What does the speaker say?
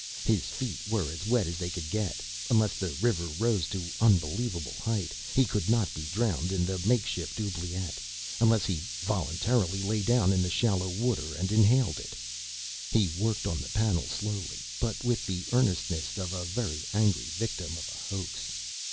His feet were as wet as they could get. Unless the river rose to unbelievable height, he could not be drowned in the makeshift oubliette, unless he voluntarily lay down in the shallow water and inhaled it. He worked on the panel slowly, but with the earnestness of a very angry victim of a hoax.